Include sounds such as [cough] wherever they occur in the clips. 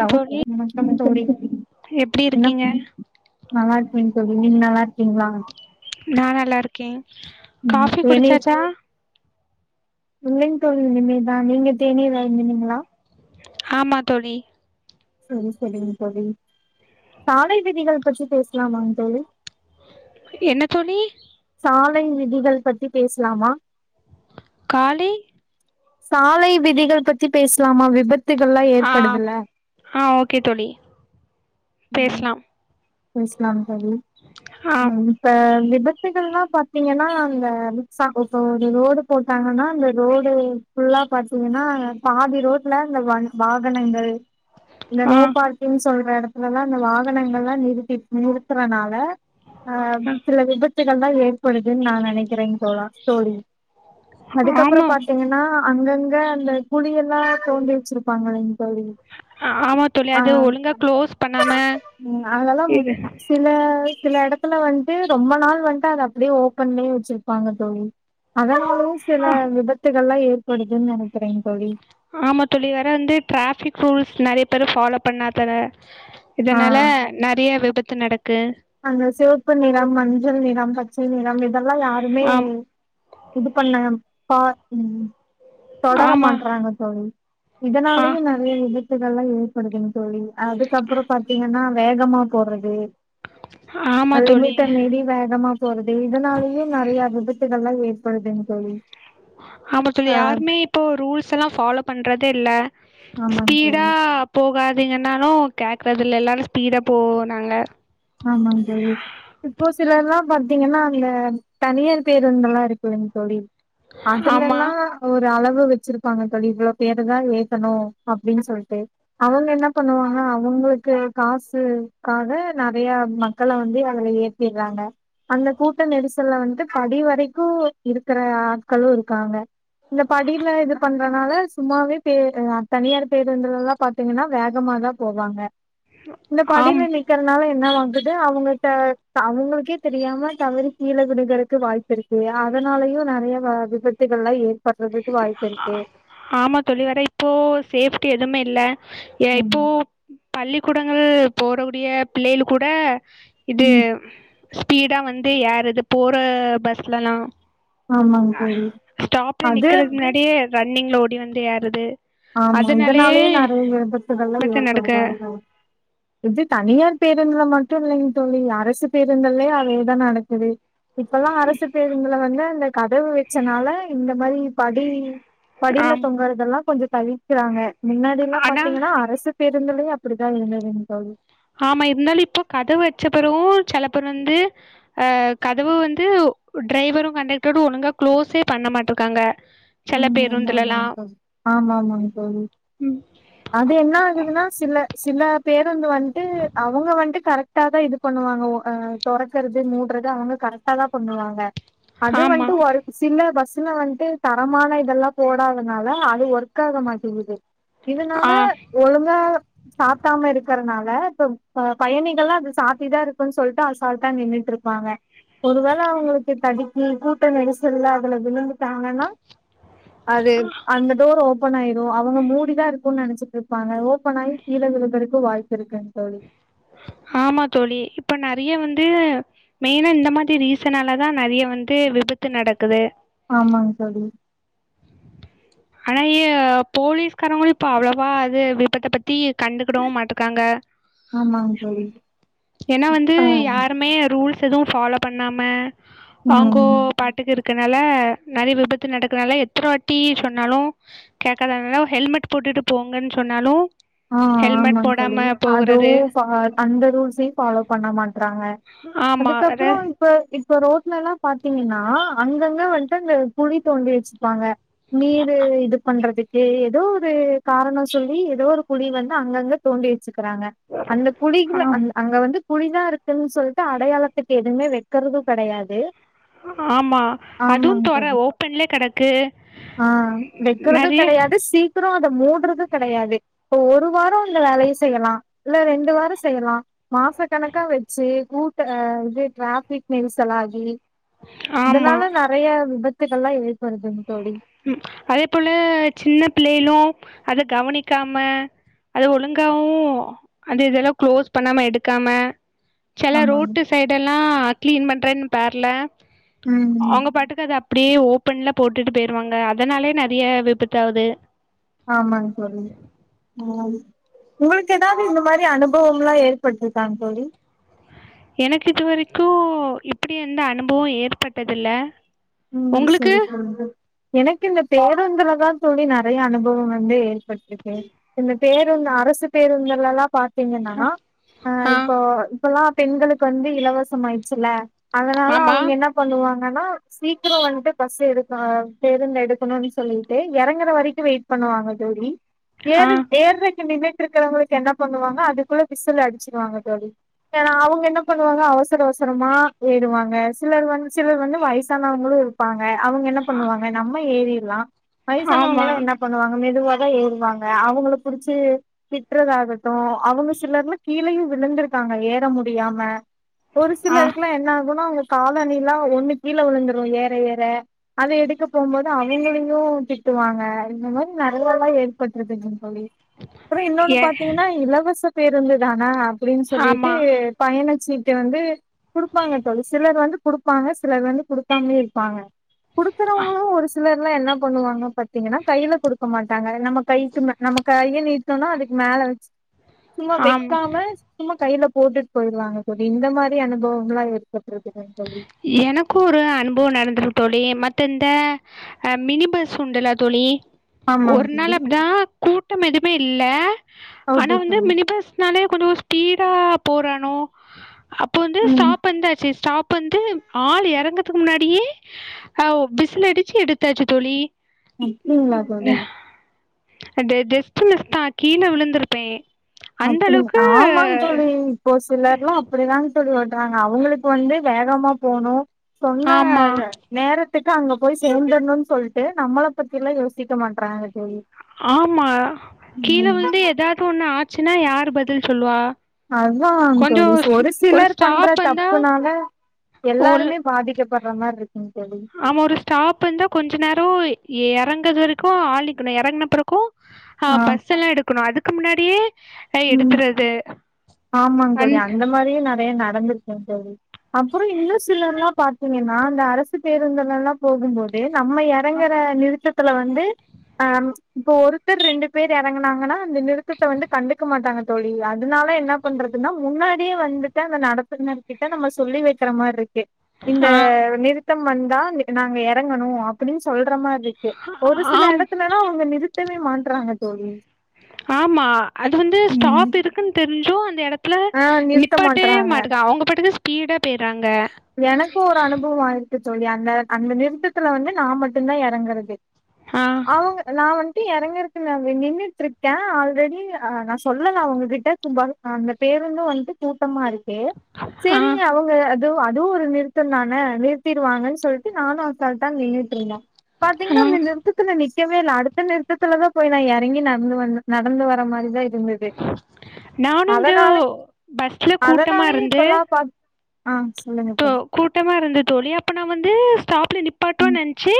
Hello தோழி வணக்கம் தோழி எப்டி என்ன இருக்கிங்க நல்லா இருக்கேங் தோழி நீங்க நல்லா இருக்கீங்களா நா நல்லா இருக்கேன் ம் காஃபி தேநீர் குடிச்சாச்சா இல்லைங் தோழி இனிமேதா நீங்க தேநீர் அருந்துனிங்ளா ஆமா தோழி செரி செரிங்க தோழி சாலை விதிகள் பற்றி பேசலாமாங் தோழி என்ன தோழி சாலை விதிகள் பத்தி பேசலாமா காலி சாலை விதிகள் பத்தி பேசலாமா விபத் ஆ ஆ ஓகே தோழி ம் பேசலாம் பேசலாம் தோழி ஆ இப்ப விபத்துகள்லா பாத்தீங்கன்னா அந்த மிக்ஸா இப்போ ஒரு ரோடு போட்டாங்கன்னா அந்த ரோடு ஃபுல்லா பாத்தீங்கன்னா பாதி ரோட்ல இந்த வ வாகனங்கள் இந்த ஆ நோ பார்கிங்ஸ் சொல்ற இடத்துல எல்லா இந்த வாகனங்கல்லா நிறுத் இப் நிறுத்தறனால ஆ அ சில விபத் துகள் தா ஏற்ப் ப்பொழுதுன் நா நெனைக்கிறன் சொல்லா தோழி அதுக்கப்புற ஆமா பாத்தீங்கன்னா அங்கங்க அந்த குழி எல்லா தோண்டி வச்சிருப்பாங் இல்லைங் ஆமா தோழி அது ஒழுங்கா குளோஸ் பண்ணாம ம் அதெல்லா ஏ சில சில இடத்துல வந்து ரொம்ப நாள் வந்து அத அப்படியே ஓப்பன்லயே வச்சிருப்பாங்க தோழி அதா [unintelligible] சில ஆ விபத்துகள்ளா [unintelligible] நெனைக்கிறங் தோழி ஆமா தோழி வேர வந்து டிராஃபிக் ரூல்ஸ் நெறைய பேரு ஃபாலோ பண்ணாதான இதனால நெறைய விபத் த்து நடக்கு அங்க சிவப்பு நிறம் மஞ்சள் நிறம் பச்சை நிறம் இதெல்லா யாருமே ஆம் இது பண்ண பா ம் தொடர ஆமா மாட்டறாங்க தோழி ஆ இதனாலயு நெறைய இது விபத்துகள்லா ஏற்படுதுங்க தோழி அதுக்கப்புறோ பாத்தீங்கன்னா வேகமா போறது ஆமா ஆ தோழி லிமிட்ட மீறி வேகமா போறது இதனாலயு நெறைய விபத்துகள்லா ஏற் படுதுங் தோழி ஆமா தோழி ஆ யாருமே இப்போ ரூல்ஸ் எல்லா ஃபாலோ பண்றதே இல்ல ஆமாங்க ஸ்பீடா தோழி போகாத் இவிங்கன்னாலு கேக்கறது இல்ல எல்லாரு ஸ்பீடா போவோ நாங்க ஆமாங்க தோழி இப்போ சிலர்லா பாத்தீங்கன்னா அந்த தனியார் பேருந்தெல்லா இருக் இல்லைங்க தோழி ஆமா அதுலலெல்லா ஓர் அளவு வச்சிருப்பாங்க தோழி இவ்வளோ பேருதா ஏத்தணு அப்படின் சொல்ட்டு அவுங்க என்ன பண்ணுவாங்க அவுங்களுக்கு காசுக்காக நெறைய மக்கள வந்து அதுல ஏத்திறாங்க அந்த கூட்ட நெரிசல்ல வந்து படி வரைக்கு இருக்கிற ஆட்களு இருக்காங்க இந்த படியில இது பண்றனால சும்மாவே பே தனியார் பேருந்துல எல்லா பாத்தீங்கனா வேகமாதா போவாங்க இந்த ஆம் படியில நிக் அதனால என்ன வந்தது அவுங்கட்ட அவுங்களுக்கே தெரியாம தவறி கீழ விழுகிறக்கு வாய்ப்பு இருக்கு அதனாலயு நெறைய வ விபத்துகள்லா ஏ ஆமா தோழி வர இப்போ சேஃப்டி எதுவுமே இல்ல ஏ இப்போ ஆமாங் பள்ளிக்கூடங்கள் போடக்கூடிய பிள்ளைகள் கூட இது ம் ஸ்பீடா வந்து யாரு இது போற பஸ்லல்லா ஆமாங் தோழி ல அது நிக்கிறதுக் முன்னாடியே ரன்னிங்ல ஓடி வந்து ஏறது ஆமா இதனாலயே நறைய விபத்துகள்லா விபத்து நடக்கு ஏற்படுதோ இதோ இது தனியார் பேருந்துல மட்டூ இல்லைங் தோழி அரசு பேருந்தல்லே அதேதா நடக்குது இப்பல்லா அரசு பேருந்துல வந் த இந்த கதவு வச்சனால இந்த மாரி படி படில ஆம் தொங்கறதல்லா [unintelligible] க்கிறாங்க முன்னாடிலா ஆனா பாத்தீங்கன்னா அரசு பேர் ந்திலயூ அப்டிதா [unintelligible] தோழி ஆமா இருந்தாலு இப்போ கதவு வச்ச பிறவூ செல பேர் வந்து ஆ கதவு வந்து டிரைவரூ கண்டக்டரூ ஒழுங்கா கு்ளோஸே பண்ண மாட்டிருக்காங்க ம் ஆமா ஆமா ஆமா ஆமா ஆமாங் தோழி அது என்ன ஆகுதுன்னா சில சில பேர் ந்து வந்துட்டு அவங்க வந்துட்டு கரெக்டா தா இது பண்ணுவாங்க தொறக்கறது மூடுறது அவுங்க கரெக்டா தா பண்ணுவாங்க அது ஆமா வந்துட்டு ஒரு சில பஸ் த்ல வன்ட்டு தரமான இதெல்லா போடாதனால அது ஒர்க் ஆக மாட்டேகிது இதனால ஆ ஒழுங்கா சாத்தாம இருக்கறனால இப்ப ப பயணிகள்ல்லா அது சாத்திதா இருக்குன் சொல்ட்டு அசால்டா நின்னுட்ருப்பாங்க ஒரு வேள அவுங்ளுக்கு தடிக் ம் கூட்டோ நெரிசல்ல அலது விழுந்துட்டாங்கனா அது அந்த டோர் ஓபன் ஆயிரூ அவுங்க மூடிதா இருக்கூன்னு நனைச்சிட்ருப்பாங்க ஓப்பன் ஆயி கீழ விழுறதுக்கு வாய்ப் ஆமா தோழி இப்ப நறைய வந் து மெயினா இந்த மாரி ரீசனால தா நறைய வந்து விபத்து நடக்குது ஆமாங் தோழி ஆனா ய போலீஸ்காரங்களூ இப்ப அவ்ளவா அது விபத்த பத்தி கண்டுக்கிடவூ மாட்டுக்காங்க ஆமாங்க தோழி ஏனா வந்து ஆ யாருமே ரூல் எதுவூ ஃபாலோ பண்ணாம அவுங்கோ ம் பாட்டுக்கு இருக் கனால நறைய விபத்து நடக்கனால எத்தன வாட்டி சொன்னாலூ கேக்காதவங்லா ஹெல்மெட் போட்டுட்டு போங்கன்னு சொன்னாலூ ஆ ஆமாங் தோழி அதூ சா அந்த ரூல்ஸையூ ஃபாலோ பண்ண மாட்றாங்க ஆமா வேற அதுக்கப்றோ இப்ப இப்ப ரோட்லல்லாம் பாத்தீங்கன்னா அங்கங்க வந்துட்டு அங்க குழி தோண்டி வச்சுப்பாங்க நீரு இது பண்றதுக்கு ஏதோ ஒரு காரணம் சொல்லி ஏதோ ஒரு குழி வந்து அங்கங்க தோண்டி வச்சுக்குறாங்க அந்த ஆ குழிகள அ அங்க வந்து குழிதான் இருக்குன்னு சொல்லிட்டு அடையாளத்துக்கு எதுமே வைக்கறதும் கெடையாது ஆமா அதுவும் ஆமாங் தொர தோழி ஓப்பன்லேயே கெடக்கு நெறைய ம் அத மூட்றது கெடையாது இப்ப ஒரு வாரம் இந்த வேலைய செய்யலாம் இல்ல ரெண்டு வாரம் செய்யலாம் மாச கணக்கா வச்சு கூட்ட இது ட்ராஃபிக் நெரிசலாகி இதனால ஆமா நெறைய விபத் த்துக்கள்ளாம் ஏற்படுது அதே போல சின்ன பிள்ளைகளும் அத கவனிக்காம அத ஒழுங்காவும் அந்த இதெல்லாம் குளோஸ் பண்ணாம எடுக்காம செல ஆமாங்க ரோட்டு சைடல்லாம் கிளீன் பண்றேன்னு பேர்ல ம் ம் அவுங்க பாட்டுக்கு அத அப்டியே ஓப்பன்ல போட்டுட்டு போயிருவாங்க அதனாலயே நெறைய விபத்து ஆவுது ஆமாங்க தோழி ம் உங்களுக்கு ஏதாவது இந்த மாரி அனுபவம்ல்லாம் ஏற்பட்ருக்காங் தோழி எனக்கு இதுவரைக்கும் இப்பிடி எந்த அனுபவம் ஏற்பட்டது இல்ல ம் சரி‌ சரி. எனக்கு இந்த பேருந்துல தான் தோழி நெறைய அனுபவம் வந்து ஏற்பட்டிருக்கு இந்த பேருந்து அரசு பேருந்துலல்லாம் பாத் திங்கனா ஆஹ் ஆ இப்போ இப்பல்லாம் பெண்களுக்கு வந்து இலவசம் ஆயிடுச்சுல அதனால ஆமா அவுங்க என்ன பண்ணுவாங்க னனா சீக்கிரம் வந்துட்டு பஸ் எடுக்க பேருந்து எடுக்கணும்னு சொல்லிட்டு இறங்கற வரைக்கும் வெயிட் பண்ணுவாங்க தோழி ஆ ஏற் ஏறதுக்கு நின்னுட் இருக்கறவங்களுக் என்ன பண்ணுவாங்க அதுக்குள்ள விசல் அடி வச்சுருவாங்க தோழி ஏன்னா அவுங்க என்ன பண்ணுவாங்க அவசர அவசரமா ஏறுவாங்க சிலர் வந்து சிலர் வந்து வயசு வயசானவங்களும் இருப்பாங் க அவுங்க என்ன பண்ணுவாங்க நம்ம ஏரிர் லா ஆமா வயசானவங்களாம் என்ன பண்ணுவாங்க மெ மெதுவாதான் ஏறுவாங்க அவுங்கள புடிச்சு திட்றதாகட்டும் அவுங்க சிலர்லா கீழயும் விழுந்திருக்காங்க ஏற முடியாம ஒரு ஆ சிலருக்குல்லா என்ன ஆகணுனா அவுங்க காலணிலாம் ஒன்னு கீழ விழுந்துரு ஏற ஏற அத எடுக்க போம்போது அவூங்களையு திட்டுவாங்க. இந்த மாதிரி நெறயால்லா ஏற்பட்டுருதுங். அப்பறோ இன்னொன்னு ஏ பாத்தீங்கன்னா! இலவச பேருந்துதானா அப்படின்னு சொல்லிட்டு ஆமா பயணச்சீ ட்டு வந்து குடுப்பாங்க சிலர் வந்து குடுப்பாங்க சிலர் வந்து குடுக்காமயே இருப்பாங்க குடுக்குறவங்களு ஒரு சிலர் என்ன பண்ணுவாங்க பாத்தீங்கன்னா கையில குடுக்க மாட்டாங்க அது நம்ம கைக்கு நம்ம கையை நீட்டூனா அதுக்கு மேல வெச்சு சும்மா ஆம் வெக்காம சும்மா கையில போட்டுட்டு போயிருவாங்க தோழி இந்த மாரி அனுபவமல்லா ஏற்பட்டிருக்கு தோழி எனக்கு ஒரு அனுபவோ நடந்துருக்கு தோழி மத்த இந்த மினி பஸ் உண்டல்ல தோழி ஆமாங் ஒரு தோழி நாள் அப்டிதா கூட்டம் எதுவுமே இல்ல ஆனா ஓகே வந்து தோழி மினி பஸ்னாலே கொஞ்சோ ஸ்பீடா போறணு அப் ப வந்து ம் ஸ்டாப் வந்தாச்சு ஸ்டாப் அப்ப வந்து ஆள் இறங்கதுக்கு முன்னாடியே அஹ் விசில் அடிச்சு எடுத்தாச்சு தோழி அப்படிங்ளா தோழி அண்டு ஜஸ்ட் மிஸ் தா கீழ விழுந்திருப்பே அப்டியா ஆமாந் தோழி இப்போ சிலர்ல்லா அப்டிதாங் தோழி ஓட்றாங்க அவுங்களுக்கு வந்து வேகமா போணு சொன்ன ஆமா நேரத் த்துக்கு அங்க போய் சேந்தர்ணுனு சொல்டு நம்மள பத்தியெல்லா யோசிக்க மாட்றாங்க தோழி ஆமா கீழ ம் விழுந்து எதாவது ஒண்ணு ஆச்சுன்னா யார் பதில் சொல்வா அதா தோழி சோ ஒரு சிலர் பண்ற தப்புனால ஒலு எல்லாருமே பாதிக்கப்பட்ற மாரி இருக்குங் தோழி ஆமா ஒரு ஸ்டாப் இந்தா கொஞ்சோ நேரோ இறங்கறதுக்கு ஆள் நிக்கனு இறங்கினப்பிறகு ஆஹ் ஆ பஸ் எல்லா எடுக்கணு அதுக் க்கு முன்னாடியே அ ம் எடுக்கறது ஆமாங் தோழி அந்த மாரியே ந அப்படியே நடந்து போகும்போது அப்றோ இன்னு சிலரெல்லா பாத்தீங்கனா அந்த அரசு பேருந்துலெலா போகும் போது நம்ம இறங்ற நிறுத்தத் நிறுத்தத்துல வந்து அஹ இப்ப ஒருத்தர் ரெண்டு பேர் இறங்கனாங்கனா அந்த நிறுத்தத்த வந்து கண்டுக்க மாட்டாங்க தோழி அதனால என்னப் என்ன பண்றதுன்னா முன்னாடியே வந்துட்டு அந்த நடத்துனர் கிட்ட நம்ம சொல்லி வைக்ற மாரி இந்த ஆ நிறுத்த நிறுத்தம் வந்தா நாங்க இறங்கணும் அப்டின்னு சொல் சொல்ற மாரி இருக்கு ஒரு சில ஆம் இடத்துலெலா அவங்க நிறுத்த இத்தனையும் மாட்றாங்க தோழி ஆமா அது வந்து ம் ஸ்டாப் இருக்குனு தெரிஞ்சு இப்போ அந்த இடத்துல ஆ நிறுத்த நிப்பாட்டே மாட்றாங்க மாட்டக அவங்க பாட்டுகு பீட போயிறாங்க எனக்கும் ஒரு அனுபவம் ஆயிருக்கு தோழி அந்த அந்த நிறுத்தத்துல வந்து நா மட்டும்தான் எறங்கறது ஆ அவுங்க நா வந் தி இறங்கறதுக்கு நா நின்னுட்டு இருக்கேன் ஆல்ரெடி ஆ நா சொல்லலா அவுங்க கிட்ட இருக்கும்போது நா அந்த பேருந்தும் வந்து கூட்டமா இருக் ஓகே ஆ சேரி அவுங்கல துவா அதுவும் ஒரு நிறுத்தம் தான நிறுத்திடுவாங்கன்னு சொல்லிட்டு நானும் அசால்டா நின்னுட்டு இருந்தேன் ஆ பாத்தீங்கன்னா அந்த நிறுத்ததுல நிக் நிக்கவே இல்ல அடுத்த நிறுத்தத்துல தான் போய் நா எறங்கி நடந்து வந்த நடந்து வர மாரிதான் இருக் நானும் இங்க பஸ்ல கூட்டமா அதனாலயே இருந்து இப்பல்லா பாத் ஆ சொல்லுங்க இப்போ தோழி கூட்டமா இருந்தது தோழி அப்பன்னா வந்து ஸ்டா ட்ல நிப்பாட்வா ம் நனச்சு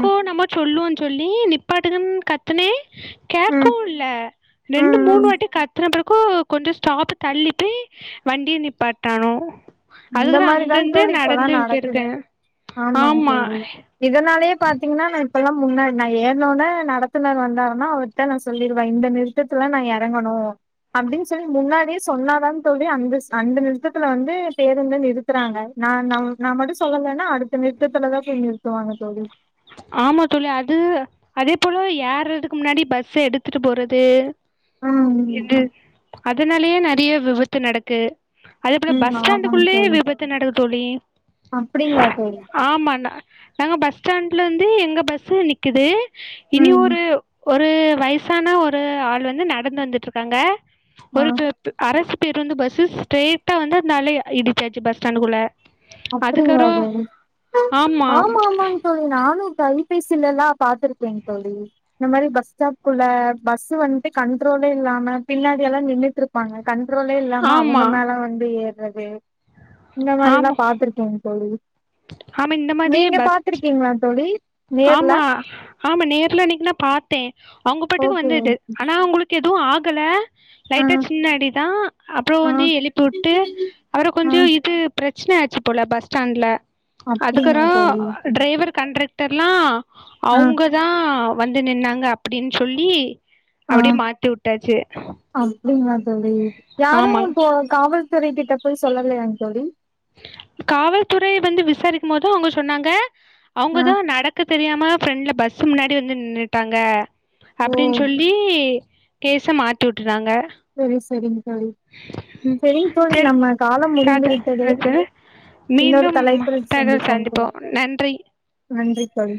ம் நம்ம சொல்லுவ சொல்லி நிப்பாட்டனும் கத்தின ம் கேக்கவும் இல்ல ரெண்டு ம் ம் மூணு வாட்டி கத்துன பிற கோ கொஞ்ச ஸ்டாப் தள்ளி போய் வண்டி நிப்பாட்டராங்க இந்த மாரிதான் தோழி இப்பல்லாம் நடக்குது போயிருக்கே ஆமாம் ஆமா தோழி இதனாலயே பாத்தீங்கன்னா நா இப்பல்லா முன்னாடி நா ஏற்னோன நடத்துனர் வந்தாருன்னா அவர்ட்ட நா சொல்லிருவே இந்த நிறுத்தத்துலா நா எறங்கணு அப்டின்னு சொல்லி முன்னாடியே சொன்னாதான்னு சொல்லி அந்த ஸ் அந்த நிறுத்தத்துல வந்து பேருந்த நிறுத்துறாங்க, நா நம் நா எது மட்டு சொல்லலைன்னா அடுத்த நிறுத்தத்துலதா போய் நிறுத்துவாங்க தோழி, ஆமா தோழி அது அதே போல ஏற்றதுக்கு முன்னாடி பஸ்ஸ எடுத்துட்டு போறது ம் இது அதனாலயே நறைய விபத்து நடக் க்கு அதே போல ம் பஸ் ஸ்டாண்டுக்குள்ளே விபத்து நடக் தோழி அப்படிங்களா தோழி நாங்க பஸ் ஸ்டாண் ல வந்து எங்க பஸ்ஸு நிக்கிது இனி ம் ஒரு ஒரு வயசான ஒரு ஆள் வந்து நடந்து வந்துட்ருக்காங்க ஆ ஒரு [unintelligible] அரசு பேருந்து பஸு ஸ்ட்ரைட்டா வந்து அந்த ஆளய இடிச்சாச்சு பஸ் ஸ்டாண்டுக்குள்ள அப்படிங்களா தோழி ஆமாம் ஆமாமாங் தோழி நானும் தொலைபேசி எல்லா பாத்துருக்கேன் தோழி இந்த மாரி பஸ் ஸ்டாப் குள்ள பஸ் வந்துட்டு கண்ட்ரோலே இல்லாம பின்னாடி எல்லா நின்னுட்டு இருப்பாங்க கண் திருவவே இல்லாம அவங்க ஆமாம் மேல வந்து ஏ என்னாது இந்த மாரி ஆமாம் தா எனங்தோழி ஆமாம் இந்த மாதிரி நீங்க பஸ் பாத்திருக்கீங்களா தோழி நேர்ல ஆமா ஆமா நேர்ல அன்னைக்கு நா பாத்தே அவுங்க பட்டுக்கு ஓகே வந்தது ஆனா உங்களுக்கு எதுவும் ஆக கல ஆ லைட்டா சின்ன அடிதா அப்புறோ ஆ வந்து எழுப்பி வுட்டு அப்புறோ ஆ கொஞ்சோ இது பிரச்சன பிரச்சினைய ஆய்ச்சு போல பஸ் ஸ்டாண்ட்ல அதுக்கறோ அப்டிங்களா தோழி அ டிரைவர் கன்று தெரலாம் ஆ அவுங்கதா வந்து நின்னாங்க அப்படின்னு சொல்லி அப்டியே மாத்திவுட்டாச்சு நீங்களா அது சரி யாரும் போ காவல் கிட்ட போய் சொல்லலயாங் தோழி காவல்துறைய வந்து விசாரிக்கும் போத அவுங்க சொன்னாங்க ஆ அவுங்கதா நடக்க தெரியாம ஃப்ரெண்ட்ல பஸ் முன்னாடி வந்து நின்னுட்டாங்க ஓ அப்டின் சொல்லி கேச மாத்தி விட்டுறாங்க சரி சரிங்க தோழி ம் சரிங் தோழி நம்ம காலம் முடிந்து சரி விட்டது இன்னொரு மீண்டும் தலைப்பில் தகவல் சந்திப்போம் தோழி நன்றி நன்றி தோழி